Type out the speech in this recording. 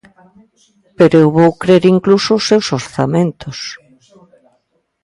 Pero eu vou crer incluso os seus orzamentos.